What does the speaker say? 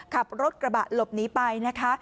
ขับรถกระบะหลบหนีไปนะคะ